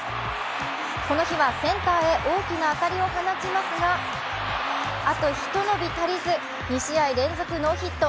この日はセンターへ大きな当たりを放ちますがあとひと伸び足りず、２試合連続ノーヒット。